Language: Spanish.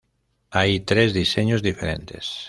Hay tres diseños diferentes.